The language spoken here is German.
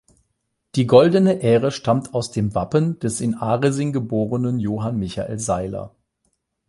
Die goldene Ähre stammt aus dem Wappen des in Aresing geborenen Johann Michael Sailer.